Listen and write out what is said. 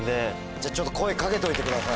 じゃあちょっと声かけといてください。